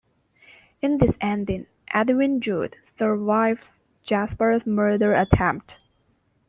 In this ending, Edwin Drood survives Jasper's murder attempt.